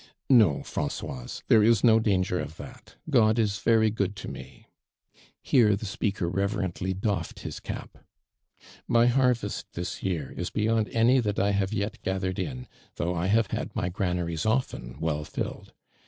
*'No, Francoiso, there is nr> danger of that. God is very good to me."' Here the speaker reverently dotted his cap. "My liarvest this year is bej'ond any I have yet gathered in, though I have had my grana ries often well filled.